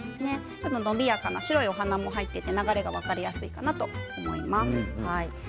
伸びやかな白いお花も入っていて流れが分かりやすいかなと思います。